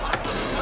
何？